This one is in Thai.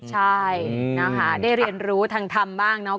ใช่ได้เรียนรู้ทางทำบ้างเนาะ